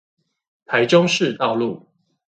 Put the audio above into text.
台中市道路